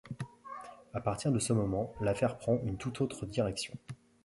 À partir de ce moment, l'affaire prend une tout autre direction.